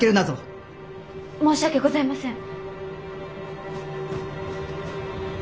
申し訳ございません！